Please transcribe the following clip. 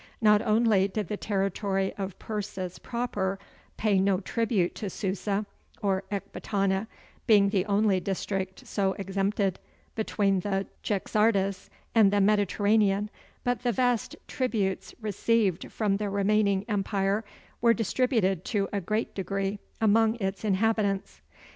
Not only did the territory of Persis proper pay no tribute to Susa or Ekbatana being the only district so exempted between the Jaxartes and the Mediterranean but the vast tributes received from the remaining empire were distributed to a great degree among its inhabitants.